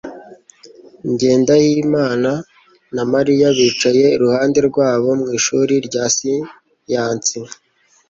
Jyendayimana na Mariya bicaye iruhande rwabo mu ishuri rya siyanse.